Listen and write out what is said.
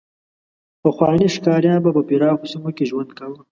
پخواني ښکاریان به په پراخو سیمو کې ژوند کاوه.